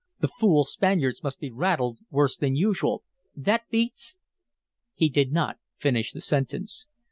The fool Spaniards must be rattled worse than usual. That beats " He did not finish the sentence.